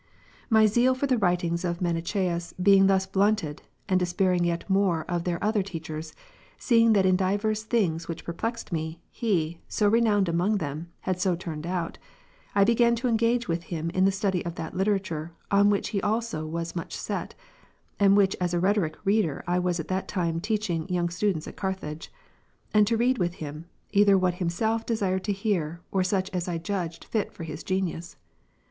13. My zeal for the writings of Manichseus being thus blunted, and despairing yet more of their other teachers, seeing that in divers things which perplexed me, he, so re nowned among them, had so turned out ; I began to engage with him in the study of that literature, on which he also was much set, (and which as rhetoric reader I was at that time teaching young students at Carthage,) and to read with him, either what himself desired to hear, or such as I judged fit for his genius.